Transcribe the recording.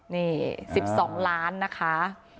นี่สิบสองล้านนะคะ